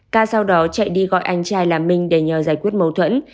ca sau đó chạy đi gọi anh trai là minh để nhờ giải quyết mâu thuẫn